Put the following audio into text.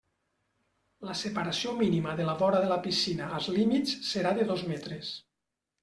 La separació mínima de la vora de la piscina als límits serà de dos metres.